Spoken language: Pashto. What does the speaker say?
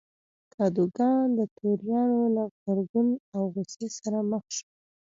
کادوګان د توریانو له غبرګون او غوسې سره مخ شو.